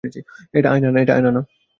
এটা আয়না না।